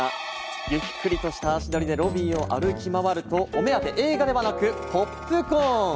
ゆっくりとした足取りで、ロビーを歩き回るとお目当ては映画ではなくポップコーン！